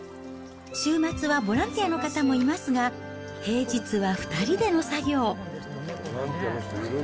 週末はボランティアの方もいますが、平日は２人での作業。